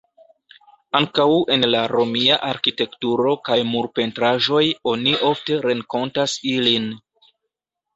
Ankaŭ en la romia arkitekturo kaj murpentraĵoj oni ofte renkontas ilin.